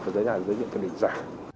và thế nào để có thể đánh nhận kiểm định giả